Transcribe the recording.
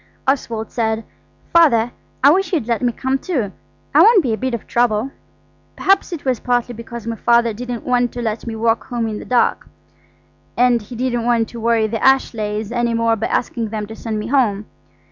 Oswald said: "Father, I wish you'd let me come too. I won't be a bit of trouble." Perhaps it was partly because my Father didn't want to let me walk home in the dark, and he didn't want to worry the Ashleighs any more by asking them to send me home.